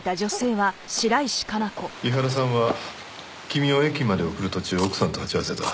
井原さんは君を駅まで送る途中奥さんと鉢合わせた。